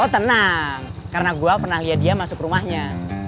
terus lu kenal juga mana